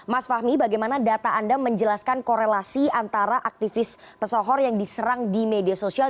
mas fahmi bagaimana data anda menjelaskan korelasi antara aktivis pesohor yang diserang di media sosial